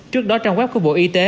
trước đó trong web của bộ y tế